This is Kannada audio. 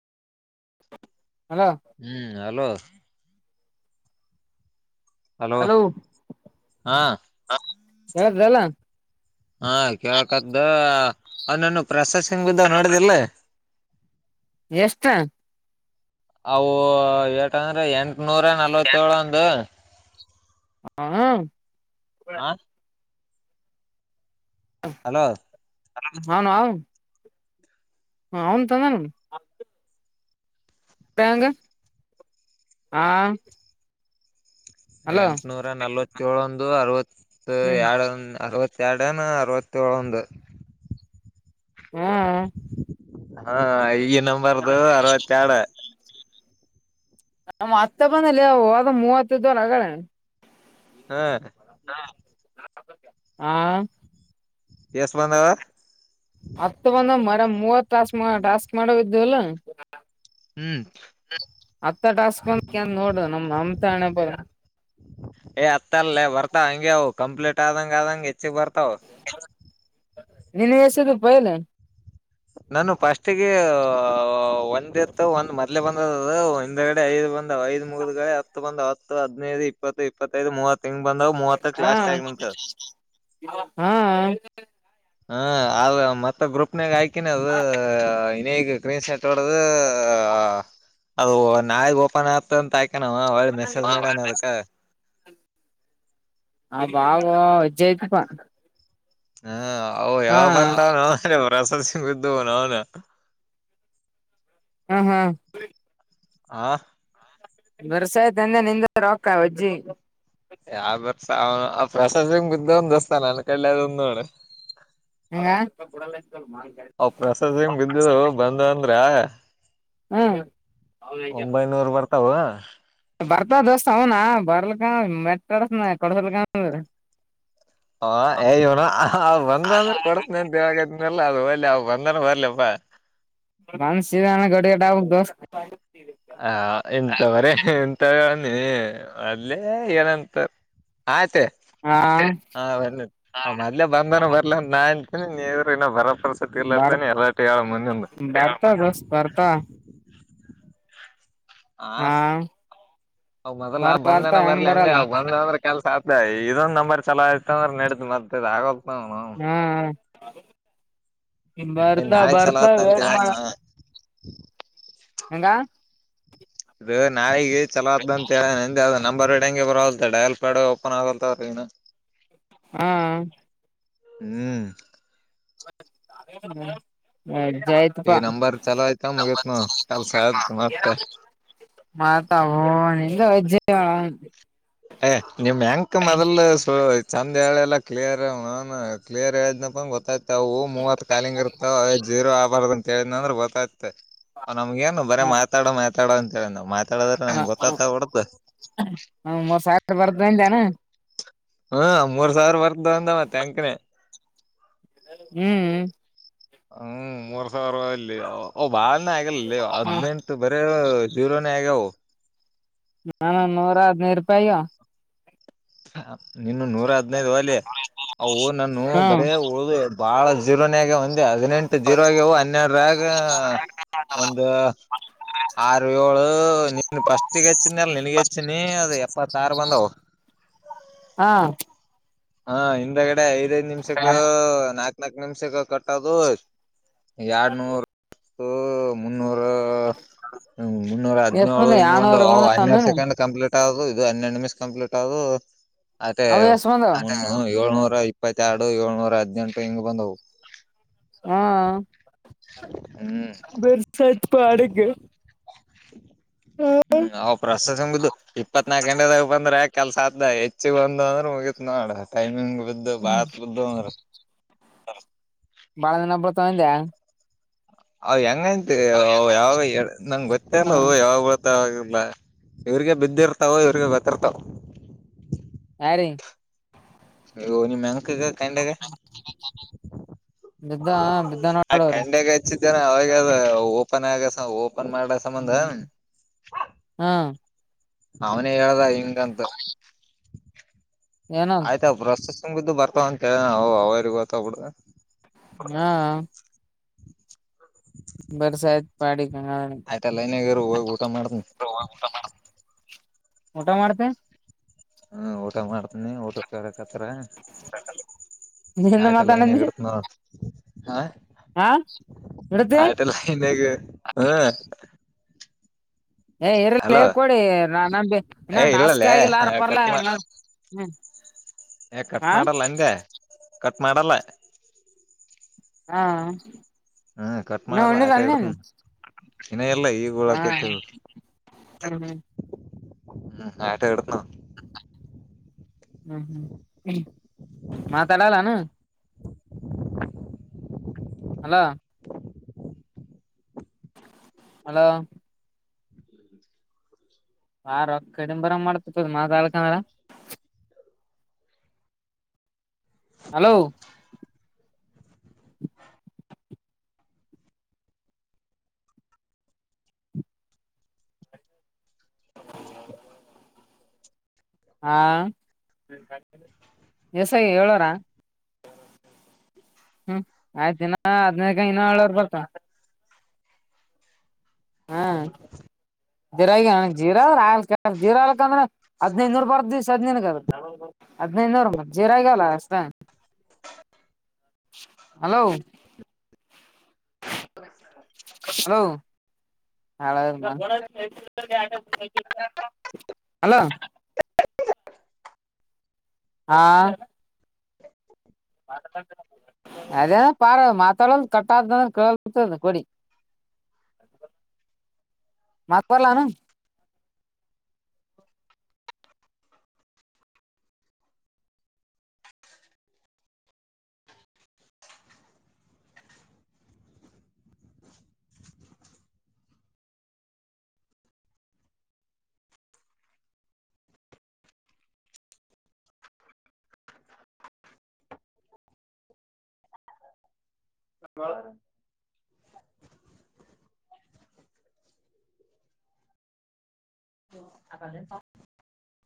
ಹಲೋ ಹ್ಮ್ ಹಲೋ. ಹಲೋ ಹಾ. ಸರ್ದಲ್ಲ. ಹಾ ಕೇಳಕದ್ದ ಅವ್ ನಾನ ಪ್ರಸಾದ್ ಸಿಂಗ್ ಬಿದ್ದ್ ನೋಡಿದಿಲ್ಲ. ಎಷ್ಟ ಅವು ಏಟಂದ್ರೆ ಎಂಟನೂರ ನಲ್ವತ್ ಏಳ್ ಒಂದು. ಹ ಹ್ಮ್ ಆ ಹಲೋ ಹಲ್ ನಾನಾ ಹ ಅವ್ನ್ ತನನ. ಬ್ಯಾಂಗ ಹ ಹಲೋ ಎಂಟನೂರ ನಲ್ವತ್ಯೋಳೊಂದು ಅರವತ್ ಹ್ಮ್ ಎಡ್ ಅರ್ವತ್ ಎರ್ಡೆನ ಅರವತ್ಯೊಳೊಂದು. ಹ್ಮ್ ಹಾ ಈ ನಂಬರ್ದ ಅರವತ್ತೆರ್ಡ್. ನಮ್ ಅತ್ತೆ ಬಂದೆಲೇವ್ ಅದ್ ಮೂವತ್ತಿದೊರ್ ಅಗರೆ. ಹ ಹಾ ಎಷ್ಟು ಬಂದಾವ ಹತ್ ಬಂದ ಮರ ಮೂವತ್ ತಸ್ ಸ್ಕ್ ಮಾಡವಿದ್ಲ್ಲ ಹ್ಮ್ ಅತ್ತ ಟಾಸ್ಕ್ ಬಂದಕ ನೋಡು ನಮ್ ನಮ ತ ಹಣೆ ಬರ ಏ್ ಅತ್ತ ಅಲ್ಲೇ ಬರ್ತಾವ ಹಂಗಗೆ ಅವು ಕಂಪ್ಲೀಟ್ ಆದಂಗ ಆದಂಗಗೆ ಹೆಚ್ಚಗ್ ಬರ್ತಾವ ನೀನು ಎಸಿದಪ್ಪಯಲ್ಲ ನಾನು ಫಸ್ಟ್ಿಗೆ ಒಂದ್ ಎತ್ತು ಒಂದ್ ಮೊದ್ಲೆ ಬಂದ ಒ್ಗಡೆ ಐದು ಬಂದ್ ಐದು ಮುಗಿದಗಡೆ ಹತ್ತು ಬಂದ ಹತ್ತು ಹದ್ಿನೈದು ಇಪ್ಪತ್ತು ಇಪ್ಪತ್ತೈದು ಮೂವತ್ತು ಹಾ ಹಾ ಹ ಆದ ಮತ್ತ ಗ್ರೂಪ್ನಾಗ ಆಾಕಿನ ಅದು ಇಗ ಗ್ರೀನ್ ಶರ್ಟ್ ಹೊಡದು ಅದು ನಾಯ ಓಪನ್ ಆಗ್ತಂತ ಹಾಕ ಅವಳೆ ಮೆಸೇಜ್ ಮಾಡಿಾನ ಅದಕ್ಕೆ ಆ ಬಾಾವ ಅಜ್ಜೆಯ್ತಪಾ ಹಾ ಅ ಯಾವ ಬರ್ತಾವ ನ ರಸ ್ದ ನ ಅವನ ಹ್ಮ ಹಾ ಆ ಬರ್ಸಾಯ್ತ ಅಂದೆ ನಿಂದ ರೊಕ್ಕ ಅಜ್ಜಿ ಯ ಬರ್ಸ ಪ್ರಸಾಸಂಗ ಬಿದ್ದ ಒಂದಸ್ತ ನನ್ನ ಕದು ಒಂದು ನೋಡ ಹಂಗ ಅ ಪ್ರಸಾದ್ ಸಿಂಗ್ ಬಿದ್ದರು ಬಂದ ಅಂದ್ರ ಹ್ಮ್ ಅವಲ್ಲ ಹವಾ ಬರ್ತ ದೋಸ್ತ್ ಅವನ ಬರ್ಲಕ ಮೆಟ್ಟಡಸನ ಕೊಡಸಲ್ಕ ಹ ಯವನ ಅವ ಬಂದಂದ್ರೆ ಕೊಡತನ ಅಂತವಾಗದನಲ್ಲ ಅದು ಹಲಿ ಅವ ಬಂದನ ಬರ್ಲಿಪ್ಪಾ ಮನ್ಸಾನ ಗಡಿಗಡೆ ಆಗುದುು ಹ ಎಂತವ್ರ ಎಂತ ನೀ ಅದಲೆ ಏನಂತಾರ ಆಯ್ತ ಹಾ ಹ ಬನ್ನ ಆ ಮದ್ಬಂದನ ಬರ್ಲ ಒಂದ ನಾಂತೀನಿ ನೀರುನ್ನ ಬರ ಅ ಸತಿ ಬರ್ ಇಲ್ಲಾತನೇ ಎಲ್ಲಟ ಆಳ ಮನ್ನಂದು ಬರ್ತಾ ದೋಸ್ತ್ ಬರ್ತಾ ಹಾ ಹ ಮೊದಲ ಬರ್ ಆ ಬರ್ತಾ ಬಂದನ ಹೆಂಗ್ ಬರ್ಲಿ ಅಂದೆ ಬರಲ್ಲ ಅವ ಬಂದ ಅಂದ್ರೆ ಕೆಲ್ಸ ಆಗ್ತ ಇದೊ ನಂಬ ಚಲ ಆಯ್ತ ಅಂದ್ರೆ ನಡ್ದ್ ಮರ್ತದ ಆಗ ಹಾ ಹ ಇನ್ ಭಾರತ ನಾಳೆ ಚಲೋ ಭರ್ತ ಆತ್ತ ಅಂತ ಹೇಳನ ಅವ ಹೆಂಗ ನಾಗೆ ಚಲೋ ಅಂತ ಹೇಳ ನಂತ್ದ ನಂಬರ್ ಇಡಂಗಗೆ ಬರಲ್ ಡಯಲ್ ಪ್ಯಾಡ್ ಓಪನ್ ಆಗಲ್ತ ಅವ್ರನು ಹಾ ಹ್ಮ್ ಹ ಹ್ಮ ಜಯತ್ಪ್ಪ ಈ ನಂಬರ್ ಚಲೋ ಆಯ್ತ ಮುಗತ್ ನೋ ಕೆಲ್ಸ ಆಯ್ತ್ ಮತ್ತೆ ಮಾತ ಹ ನಿಜ ಏ ನಿಮ್ ಯಂಕ್ ಮೊದಲು ಚಂದ ಹೇಳಳೆಲ್ಲ ಲ್ಲ ಕ್ಲಿಯರ್ ಕ್ಲಿಯರ್ ಆ್ನಪ್ಪ ಗೊತ್ತಾಯ್ ಇತವು ಮೂವತ್ ಕಾಲಿಂಗ ಇರ್ವ ಜೀರೋ ಆಗ್ಬಾರ್ದ ಅಂತೇಳಿದ ಅಂದ್ರ ಗೊತ್ತಾಯತ ಅವ್ ನಮ್ಗ ಏನು ಬರೇ ಮಾತಾಡೋ ಮಾತಾಡೋ ಅಂತೇಳ ನಾವ್ ಮಾತಾಡದ್ರೆ ನಮ್ಗ್ ಗೊತ್ತತ ಹೊಡ್ದು ಸಾಕ ಬರ್ದಿಂದನ ಹ್ಮ ಮೂರ್ ಸಾವಿರ ಬರ್ದ ಅಂದ ಮತ್ತ ಅಕನೇ ಹ್ಮ್ ಹ್ಮ ಮೂರ್ ಸಾವಿರ ಅಲ್ಲಿ ಅವ ಓ ಭಾಳನೇ ಆಗ್ಯಲ್ಲಲ್ಲಿ ಹದ್ನೆಂಟು ಬರಿ ಜೀರೋನೇ ಆಗ್ಯವು ನಾನು ನೂರ ಹದ್ನೃರು ರೂಪಾಯ ನಿನು ನೂರ ಹದ್ನೈದು ಅಲಿ ಅವು ನಾನ ಹ್ಮ್ ಬರೇ ಉಳ್ದ ಬಹಳ ಜೀರೋನಾಗೆ ಹದಿನೆಂಟು ಜೀರೋ ಆಗವು ಹನ್ನೆರಡಗ ಒಂದು ಆರು ಏಳು ನೀನ್ ಫಸ್ಟ್ಗ ಹೆಚ್ಚಿನಿ ಅಲ್ಲ ನಿನ್ಗ ಹೆಚ್ಚಿನಿ ಅದ ಎಪ್ಪತ್ತ ಆರು ಬಂದವ ಹಾ ಹಾ ಹಿಂದಗಡೆ ಐದೈದ್ ನಿಮಿಷಕ್ಕ ನಾಕ್ ನಾಕ್ ನಿಮಿಷಕ್ಕ ಕಟ್ಟದು ಎರಡ್ನೂರು ಮುನ್ನೂರ ಎಷ್ಟ ಹದಿನೇಳು ಬಂದ ಹಿಂಗ ಒಂದು ಎರಡ್ನೂರು ಬಂದ ಹನ್ನೆರಡು ಸೆಕೆಂಡ್ ಕಂಪ್ಲೀಟ್ ದು ಇದು ಹನ್ನೆರಡು ನಿಮಿಷ ಕಂಪ್ಲೀಟ್ ಆದು ಅವು ಎಷ್ಟು ಬಂದವ ಏಳ್ನೂರ ಇಪ್ಪತ್ತರಡು ಏಳ್ನೂರ ಹದ್ನೆಂಟು ಹಿಂಗ ಬಂದವು ಹಾ ಹ [unintelligible] [unintelligible] [inaudible] ಹ್ಮ್ ಅವ್ ಪ್ರಸ್ತ ಸಂಘದ ಇಪ್ಪತ್ ನಾಕ ಗಂಟೆದಾಗ ಬಂದರಾಯ್ತು ಕೆಲ್ಸ ಅ ಹೆಚ್ಚಿಗೆ ಬಂದ್ ಅಂದ್ರ ಮುಗಿತ್ ನೋಡ ಟೈಮಿಂಗ್ ಬಿದ್ದು ಬಾತ್ ಬಿದ್ದು ಅಂದ್ರ ಬಾಳ ದಿನ ಬರ್ತವಂದೆ ಅವ್ ಹೆಂಗಂತ ಯಾವಾಗ ನಂಗಗೆ ಹ ಗೊತ್ತಲ್ಲವು ಯಾವಾಗ್ ಬತ ಇಲ್ಲ ಇವ್ರಿಗೆ ಬಿದ್ದಿರ್ತಾವ ಇವ್ರಿಗೆ ಗೊತ್ತಿರ್ತಾವ ಯಾರಿಗೆ ಓ ನಿಮ್ಮ್ ಮೇನಕಾ ಗ ಕಾಂಡ್ಯಾಗ ಬಿದ್ದ ಬಿದ್ದ ಆ ನೋಡವ್ರಿ ಕಂಡಾಗ ಹಚ್ಚಿದ್ದೇನೆ ಅವಾಗದ ಓಪನ್ ಆಗಸ ಓ ಓಪನ್ ಮಾಡ ಸಂಬಂಧ ಹ ಹಾ ಅವನೇ ಹೇಳ್ದ ಹಿಂಗಂತ ಏನಂತ ಆಯ್ತ ಪ್ರೋಸ್ಸ್ ತುಂಬಿದ್ದು ಬರ್ತಾವ ಅಂತೇಳವು ಅವರಿಗೆಗ ಗೊತ್ತ ಬಿಡು ಹಾ ಬರ್ಸ ಆಯ್ತ್ ಪಾಡಿ ಆಯ್ತಲ್ಲ ಲೈನಿಗಿರು ಹೋಗಿ ಊಟ ಮಾಡ್ತನ ಊಟ ಮಾಡ್ತೆ ಹ್ಮ ಊಟ ಮಾಡ್ತೀನಿ ಊಟ ತ್ರ ನಿಂದ ಆಯ್ತಲ್ಲ ಲೈನ್ ಮಾತಾನಂದಿ ಹಗಡ ನೋಡ್ ಹ ಹಾ ಇಡತಿ ಆಯತ ಲೈನ್ಗೆ ಹಾ ಏ ಇರೇ ಅಲೋ ಕೊಡಿ ನಮ ಇನ್ನ ಏ ಟಾಸ್ಕ್ ಇಲ್ಲಲ್ಲೇ ಆಗಿಲ್ಲಾರ ಪರ್ಲಾ ಕಟ್ ಮಾ ಹ್ಮ್ ಏ ಕಟ್ ಮಾಡಲ್ಲ ಅಂದೆ ಕಟ್ ಮಾಡಲ್ಲ ಹಾ ಹ್ಮ್ ಕಟ್ ಇನ್ನು ಮಾಡಲ್ಲ ಉಣ್ಣಿಲ್ಲ ಆಟ ಅನ್ನ ಇಡ್ತನ್ ಇನ್ನ ಎಲ್ಲ ಈಗ ಹಾ ಉಳಕೈತಿ ಹ ಹ್ಮ್ ಆಯಟ ಇಡನ್ನಾ ಹ್ಮ್ ಹ್ಮ್ ಮಾತಡಲ್ಲಾನ [inaudible] ಹಲೋ ಹಲೋ ಆ ರೋಕ್ಕ ಕಡಿಮ ಬರಂಗ ಮಾಡ್ತತದ ಮಾತಾಡ್ಕಂತ [unintelligible] ಹಲೋ [inaudible] ಹಾ ಎಸ್ಐಗೆ ಹೇಳೋ ನಾ ಹ್ಮ್ ಆಯ್ತ ದಿನ ಹದ್ನೈದಕ ಹಳುರ್ ಬರ್ತ ಹಾ ಜೀರಾಗಿ ಜೀರ ಆ ಜೀರಾಕ್ಂದ್ರೆ ಹದ್ೈದುನೂರ್ ಬರ್ದ ದಿವ್ಸ ಹದ್ಿನನ್ಗ ಹದ್ಿನೈದನೂರ ಮತ್ ಜೀರಾಗಲ್ಲ ಅಷ್ಟ ಹಲೋ ಹಲೋ ಹಳ ಹಲೋ ಹಾ ಅದೇನ ಪಾರ ಮಾತಾಡದು ಕಟ್ಟಾದ ಕೇಳ ಕೊಡಿ ಮಾತವಾರಲ್ಲಾನ ಹ ಹಕಾಲೆ